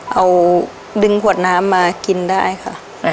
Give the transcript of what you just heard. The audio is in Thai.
เอาดึงขวดน้ำมากินได้ค่ะ